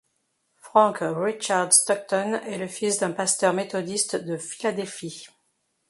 Frank Richard Stockton est le fils d'un pasteur méthodiste de Philadelphie.